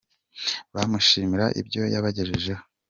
Bamushimira ibyo yabagejejeho.